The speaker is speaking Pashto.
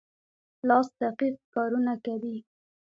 لاس دقیق کارونه کوي.